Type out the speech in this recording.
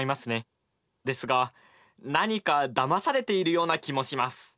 ですが何かだまされているような気もします。